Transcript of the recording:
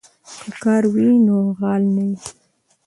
که کار وي نو غال نه وي.